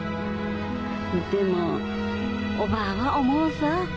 でもおばぁは思うさぁ。